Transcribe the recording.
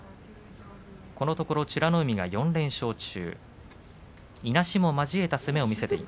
このところ美ノ海４連勝中。